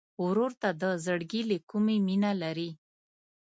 ورور ته د زړګي له کومي مینه لرې.